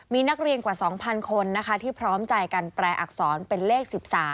มีนักเรียนกว่า๒๐๐คนที่พร้อมใจกันแปลอักษรเป็นเลข๑๓